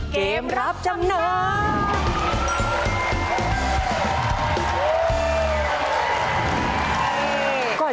หรือใครกำลังร้อนเงิน